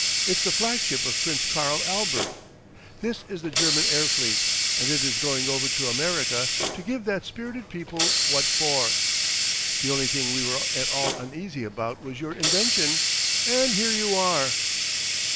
It's the flagship of Prince Karl Albert. This is the German air fleet, and it is going over to America, to give that spirited people 'what for.' The only thing we were at all uneasy about was your invention. And here you are!"